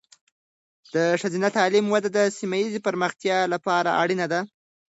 د ښځینه تعلیم وده د سیمه ایزې پرمختیا لپاره اړینه ده.